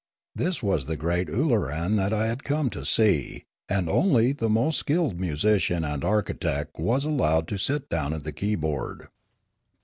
This was the great Ooloran that I had come to see, and only the most skilled musician and architect was allowed to sit down at the key board.